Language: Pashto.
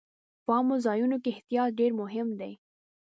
په عامو ځایونو کې احتیاط ډېر مهم دی.